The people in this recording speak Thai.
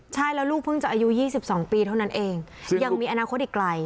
ใช่แล้วลูกเพิ่งจะอายุ๒๒ปีเท่านั้นเองยังมีอนาคตอีกไกล